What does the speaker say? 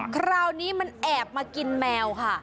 คราวนี้มันแอบมากินแมวค่ะ